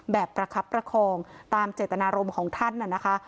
ประคับประคองตามเจตนารมณ์ของท่านน่ะนะคะ